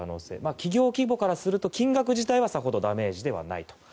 企業規模からすると金額自体はさほどダメージではないと。